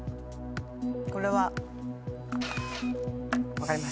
これは分かります。